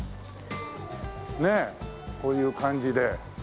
ねえこういう感じで。